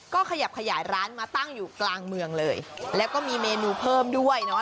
ก็ขยับขยายร้านมาตั้งอยู่กลางเมืองเลยแล้วก็มีเมนูเพิ่มด้วยเนาะ